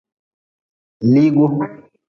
Liigu.